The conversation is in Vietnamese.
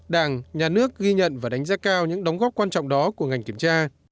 đảng nhà nước ghi nhận và đánh giá cao những đóng góp quan trọng đó của ngành kiểm tra